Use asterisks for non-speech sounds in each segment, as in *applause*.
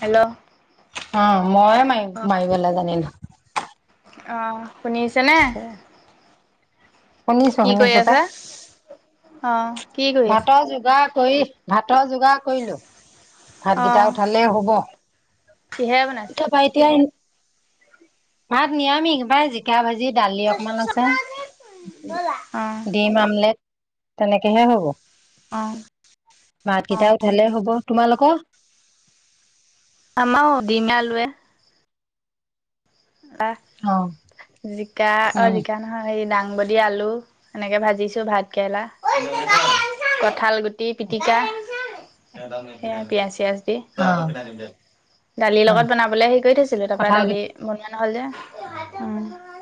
Hello অ মইয়ে মায়িম মাৰিবলে জানিম *unintelligible* আহ শুনিছে নে? শুনিছো কি কৰি শুনিছো আছা? অ কি কৰি আছে ভাত যোগাৰ কৰি ভাতৰ যোগাৰ কৰিলো। অ ভাতকেইটা উঠালে হ'ব কিহেৰে বনাইছে তাপা এতিয়া ভাত নিয়ামিষ পাই জিকা ভাজি *unintelligible* দালি অকমান আছে। অ ডিম আমলেট। তেনেকেহে হব। অ ভাতকেইটা উঠালে হব তোমালোক? আমাৰও দিম আলুৱে আহ অ', জিকা অ উম, জিকা নহয় হে ডাঙ দাংবদি আলু এনেকে ভাজিছোঁ ভাত কেৰেলা কঠাল গুটি পিটিকা সে পিয়াজ চিয়াজ অ', দালিৰ লগত উম, বনাবলে হে কৰি থৈছিলো তাৰপা কঁঠাল দালি হ'ল যে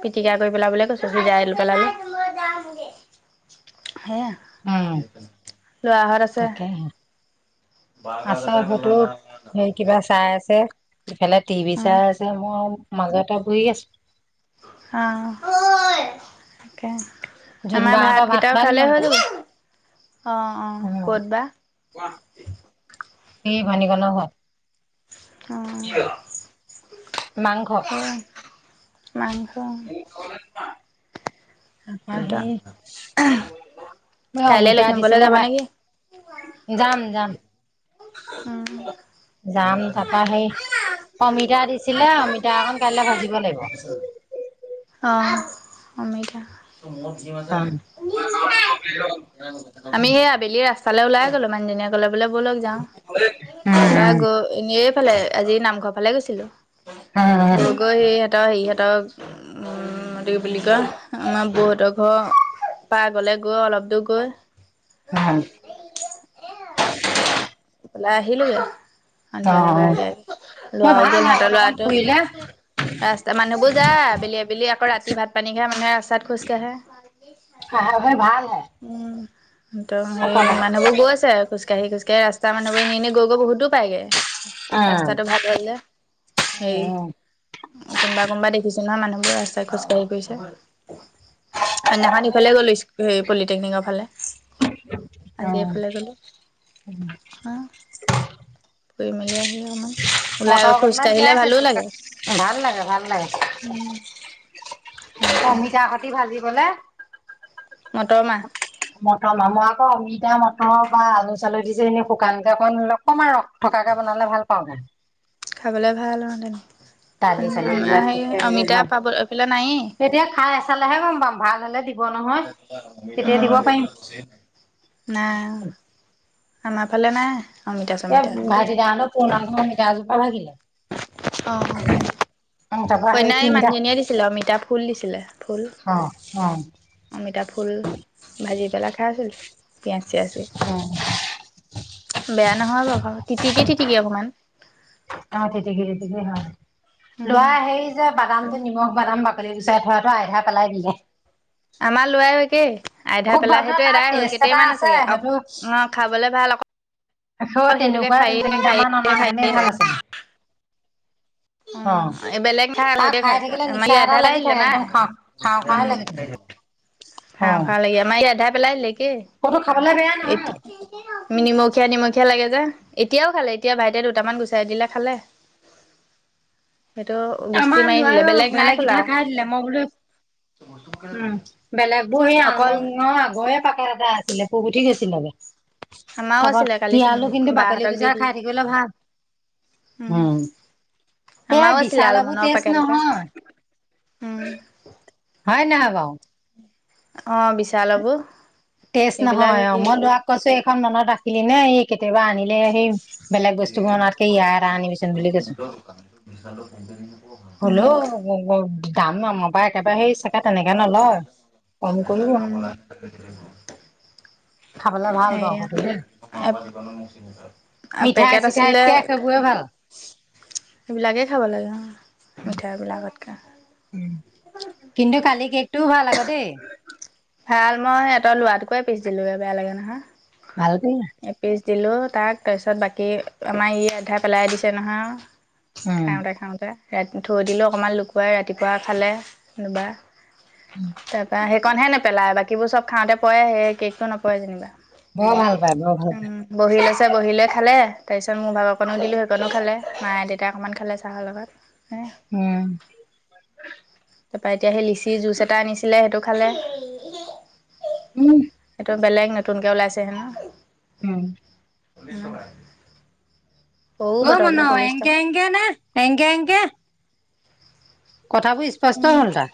পিটিকা কৰি পেলাব বোলে কচু সিজাই পেলালে *inaudible* সে উম, ল'ৰাহত আছে। তাকেহে, আছে হয়টো হে কিবা চাই আছে ইফালে টিভি উম চাই আছে মই মাজতে শুই আছো আহ তাকে। আমাৰ জোনবাহঁতৰ ভাত ভাতকেইটা খোৱা উঠালে হৈ নিমন্ত্ৰণ, যাব অ অ উম। ক'ত বা কি ভানিক ন হয়াত অ', মাংস মাংস ম খলে ন তাপাহ সেই ম কাইলৈ অমিতা লখিমপুৰলৈ দিছিলো যাব ভা নেকি? যাম যাম উম, যাম তাপা সেই অমিতা দি ছিলে অ মিঠা অকণ কাইলৈ ভাজিব লাগিব। আহ অমিতা উম আমি সেই আবেলি ৰাস। চালে ওলাইে গ'লো মানহজনীয়ে কলে বোলে বৌ লগ যাওঁ ত উম গ এনে ফালে আজি নামঘৰ ফালে গৈছিলো উম উম গৈ গৈ স সিহঁতৰ হেৰি সহঁতৰ বুলি কয় আমাৰ বহুতৰ ঘৰ প গলে গৈ অলপ দূৰ গৈ হ ওলাই আহিলো অ সন্ধিয়া লগে আগাই মই লৰাও ভাল গ'ল হয় অকণ সিহঁতৰ অকণ লৰাটো ফুৰিলে ৰাস্তা মানুহবোৰ যায় আবেলি আবেলি আকৌ ৰাতি ভাত পানী খ মানুহে ৰাস্তাত খোজ কাঢ়ে। হ তবাৰ ভাল হে। ত সৰি মানুহবোৰ গৈছে আৰু খোজকাঢ়ি খোজকাঢ়ি ৰাস্তা মানুহবৰে নিনি গৈ গৈ বহুতো পায়গে। উম ৰাস্তাটো ভাল হল যে উম হেৰি কোনোবা কোনবা দেখিছো নহয় মানুহ বোৰ ৰাস্তাই খোজকাঢ়ি গৈছে। সেইদিনা খন ইফালে গ'লো হ পলিটেকনিকৰ ফালে অ হ ফুৰি মেলি আহি অমান ওলাই মটৰ খোজ কেইটামান তিয়াই কাঢ়িলে ভালো থৈছো লাগে ভাল লাগে ভাল লাগে হেৰি কৰে অমিতা খতি ভাজিবলে মটৰ মাহ মটৰ মামহ আকৌ অমিতা মটৰ বা আলু চালু দিছে এনেই শুকান কেইক অকমান ৰ থ কাকা বনালে ভাল পাওঁগে খাবলে ভাল মানে দালি চালি আমাৰ বিলাক সেই এইবোৰ অমিতা ভাল পাব পেলা নাই তেতিয়া খাই চালেহে গম পাম ভাল হলে দিব নহয় তেতিয়া দিব পাৰিম নাই আমাৰ ফালে নাই অমিতা এ চমিতা। ভাইটি দা হঁতৰ পুৰণা ঘৰ অমিতা এজোপা ভাগিলে। আহ তাৰপৰা সেই কইনাই এই তিনিটা মানুহজনীয়ে দিছিলে অমিতা ফুল দিছিলে ফুল অ অ অমিতা ফুল ভাজি পেলাই খাই আছিলোঁ। পিয়াজ চিয়াজ লৈ। অ বেয়া নহয় বাৰু তিতিকি তিতিকি অকমান অ তিতিকি তিতিকি হয়। লোৱা উম। সেইৰি যে বাদামটো নিমখ বাদাম বাক বাকলি গুচাই থোৱাটো আইধা পেলাই দিলে আমাৰ লোৱাই ও একে আধা খুব পেলা ভাল ন সেইটো তাৰ এদাই হ'ল টেষ্ট এটা কেইটাই মান আ আছে চাগে অ সেইটো অ খাবলে ভাল আকৌ অকল সেইটোকে তেনেকুৱা খায়ে দুই থাকে খায়ে তিনিটামান থাকে খায়ে থাকে। অনাহেতেনে ভাল আছিল। *unintelligible* উম বেলেগ খাই আৰু সেইটোৱে খাই। থাকিলে আম নিচা এটা আধাটা লাগি আহিলে থাকে নাই একদম খাওঁ খাওঁ খাওঁৱে লাগি থাকে উম। খা অ' ভা লাগে আমাৰ ই আধাই পেলাই দিলে একে কতো খাবলে বেয়া নহয় নিমখ খীয়া নিমখীয়া লাগে যে এতিয়াও খালে এতিয়া ভাইটিয়ে দুটামান গুচাই দিলে খালে। সেইটো গুষ্টি আমাৰ মাৰি দিলে লৰাইও বেলেগ নাই খোলা ভালেকিটা খাই দিলে মই বোলো উম বেলে এইবোৰ সেই অকল আলমংৰ আগয় পাকাৰ এটা আছিলে পোক উঠি গৈছিলে আমাৰও তাপা আছিলে কালি চুনু তিয়ালু কিন্তু বাকলি বাহঁতক দি গুচাই দিলো খাই থাকিবলৈ ভাল। উম। এই আমাও আছিল বিশালবোৰ লালমনৰ টেষ্ট পেকেট এটা নহয় আছে উম হয় নহয় বাও অ বিশালকো তেজ নহয় অ মই লৰাক কৈছো এইখন মনত ৰাখিলি নে এই কেতিয়াবা আনিলে সেই বেলেগ বস্তুবোৰনাতকে ইয়াই এৰানিবিচোন বুলি কৈছো। উম হ'লেও দাম নম পৰা একেবাৰে সেই চাগে তেনেকে নলয়, কম কৰিব খাবলে ভাল পাওঁ সেয়া সটো দেই মিঠাই পেকেট আছিলে। চিঠাইতকে সেইবোৰে ভাল সেইবিলাকেই খাব লাগে মিঠাই বিলাকতকে উ কিন্তু কালি কেকটোও ভাল আক দেই ভাল ম‌ই ইিহঁত লৰাটোকোৱে পিছ দিলোে বেয়া লাগে নহয় ভাল কৰিলা এপিচ দিলোঁ তাক তাৰপিছত বাকী আমাৰ ই আধাই পেলাই দিছে নহয়। উম খাওঁতে খাওঁতে। ৰাতি থৈ দিলো অকমান লুকুৱাই ৰাতিপুৱা খালে কোবা তাৰ পৰা সেইকনহে নেপেলায় বাকীবোৰ চব খাওঁতে পৰে সেই কেকটো নপৰে যেনিবা। বৰ ভাল। পায় বৰ ভাল উম পায় বহিল। ত বহি লৈ খালে। তাৰপিছত মোৰ ভাগকণো দিলোঁ সেইকণো খালে। মাে দেউতাই অকণমান খালে চাহৰ লগত হ উম তাৰপা এতিয়া সেই লিচি জুচ এটা আনিছিলে সেইটো খালে উম সেইটো বেলেগ নতুনকে ওলাইছে হে ন উম ছ *unintelligible* অ মন একে এেক ন একে এেংক *unintelligible* কথাবোৰ স্পষ্ট হল তা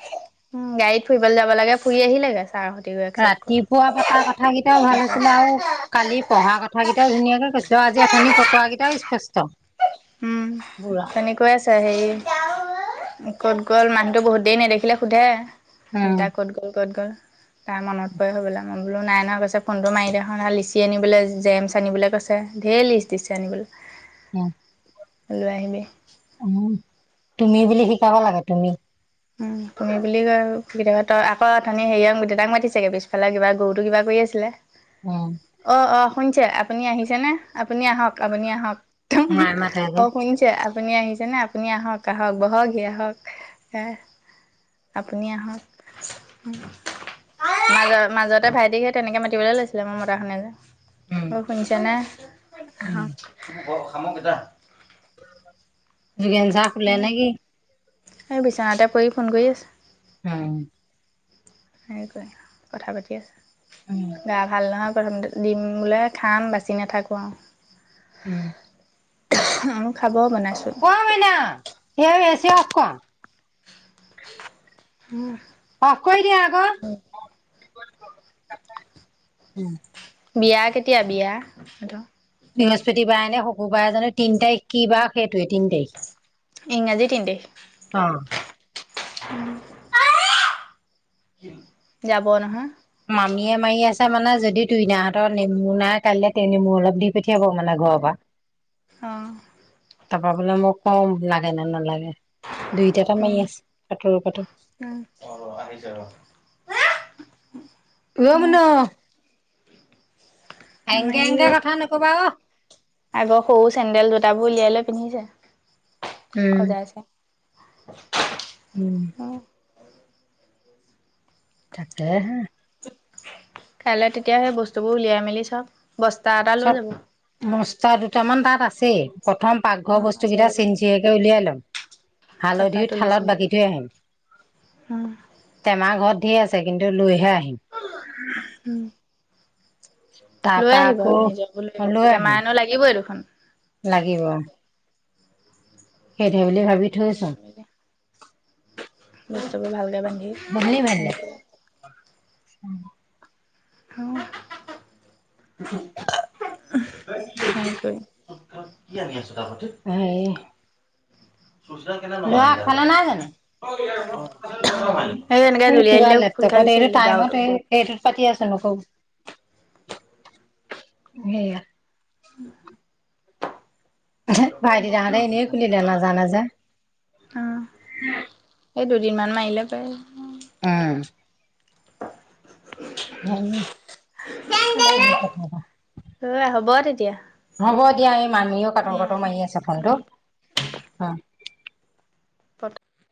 উম গাড়ীত ফুইব যাব লাগে ফুৰি আহিলেগে ছাৰহঁত ৰাতিপুৱা পতাৰ কথা কেইটাও ভাল আছিলে, আৰু কালি পঢ়া কথা কেইটাও ধুনীয়াকে কৈছিলো আজি শননি পকোৱা গেইটা স্পষ্ট *unintelligible* উম পুৰা তেনেকুৱাই আছে আচছা হেৰি ক'ত গ'ল মানুহতটো বহুত দেৰি নেদেখিলে সোধে। উম দেতাক ক'ত গ'ল ক'ত গ'ল। তাৰ মনত পৰে বোলে মই বোলো নাই নহয় কৈছে ফোনটো মাৰি দেখ ন লিচি আনিবলৈ জেমছ আনিবলে কৈছে *unintelligible* ধেৰ লিষ্ট দিছে আনিবলৈ উম লৈ আহিবি উ তুমি বুলি শিকাব লাগে তুমি উ তুমি বুলি কয় তই আকৌ ধনী হেৰিয়ক দেউতাক মাতি চগে পিছফালে কিবা গৰুতো কিবা কৰি আছিলে? উম *unintelligible* অ অ শুনিছে আপুনি আহিছেনে আপুনি আহক আপুনি আহক মায়ে মাতে যে অ শুনিছে আপুনি আহিছেনেে আপুনি আহক আহক বহকহি আহক *unintelligible* আপুনি আহক *unintelligible* মাজত মাজতে ভাইটিক সে তেনেকে মাতিবলে লৈছিলে মোৰ মতাখনে যে উম অ শুনিছে ন আহ যুগেন চাহ খলে নেকি? *unintelligible* এই বিচনাতে পৰি ফোন কৰি আছে হম সেনেকৈ কথা পাতি আছে উম গা ভাল নহয় প্ৰথম দিম বোলে খাম বাচি নাথাকোঁ আৰু *unintelligible* উম আৰু খাব বনাইছোঁ। অ মইনা ইয়াৰ এছি অফ কৰা *unintelligible* অফ কৰি দিয়া আক বিয়া কেতিয়া বিয়া সেত বৃহস্পতিবাৰে নে শুকুবাৰে জানো তিনি তাৰিখ কি বা সেইটোৱে তিন তাৰিখ *unintelligible* ইংৰাজী তিনতাৰিখ অ উম যাব নহয় মামীয়ে মাৰি আছে মানে যদি তুইনাহঁতৰ নেমু নাই কাইলে তেওঁ নেমু অলপ দি পঠিয়াব মানে ঘৰৰ পৰা অ তাপা আপোনাক মই কম লাগে নে নালাগে দুইটাতে মাৰি উম। আছে একেলগতে উম, অ মোনো *unintelligible* *inaudible* আমাৰ এংগে ই এংগে কথা নকবা অ আগৰ সৰু চেন্দেল জুটাবোৰ উলিয়াই লৈ পিন্ধিছে উম সজাইছে *unintelligible* *unintelligible* *inaudible* উম তাকেহে কাইলে তেতিয়া হে বস্তুবোৰ উলিয়াই মেলি চব *unintelligible* তা এটালৈ যাব মচতা দুটামান তাত আছেই প্ৰথম পাকঘৰ বস্তু আছে কেইটা যদি চেনচিৰিয়াকে উলিয়াই ল *unintelligible* তাৰপৰা হালধীও তুলি থালত চুলি বাকী থৈ আহিম উম টেমা ঘৰত ধেৰ আছে কিন্তু লৈহে আহিম উম লৈ তাৰপা আহিব আকৌ নিজৰ বুলি লৈ আহিম টেমাএনো লাগিবই দেখোন লাগিব সেইটো বুলি ভাবি লৈ থৈছোং মেলি বস্তুবোৰ ভালকে বান্ধি সেই উম হা হা সেই কৰি *unintelligible* উত কি আনি আছো *unintelligible* সেই দোৱা খোলা নাই জানো সেই এনেকে জুলিয়াই কিবা দিলে খোল খাই লেপটপত গুচি এইটো আহিলে গাৰুটো টাইমতে এই এইটোত পাতি আছো নকও সেইয়া উম ভাইটিদাহতে এনেই খুলিলে নাজেনে যে অ এই দুদিনমান মাৰিলে পাৰে উম অ *unintelligible* হ'ব তেতিয়া হ'ব দিয়া এই মানিও কাটৰ উম কাটৰ মাৰি আছে ফোনটো উম পত